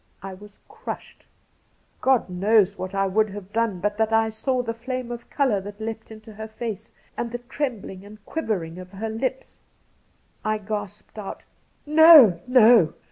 I was crushed ! God knows what I would have done but that I saw the flame of colour that leapt into her face, and the trembling and quiver ing of her lips. I gasped out :' No, no